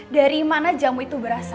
dari mana jamu itu berasa